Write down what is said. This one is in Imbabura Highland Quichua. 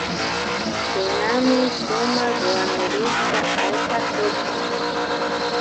Shinami sumak wanurishka allpaka tukun